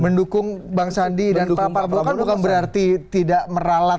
mendukung bang sandi dan pak prabowo kan bukan berarti tidak meralat